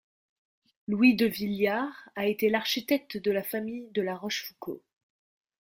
Louis Devilliars a été l'architecte de la famille de La Rochefoucauld.